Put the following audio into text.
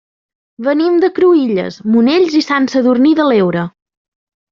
Venim de Cruïlles, Monells i Sant Sadurní de l'Heura.